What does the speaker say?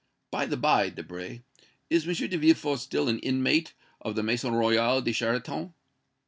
By the by, Debray, is M. de Villefort still an inmate of the Maison Royale de Charenton?"